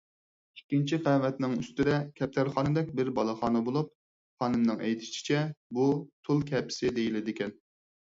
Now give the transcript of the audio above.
ئىككىنچى قەۋەتنىڭ ئۈستىدە كەپتەرخانىدەك بىر بالىخانا بولۇپ، خانىمنىڭ ئېيتىشىچە بۇ تۇل كەپىسى دېيىلىدىكەن.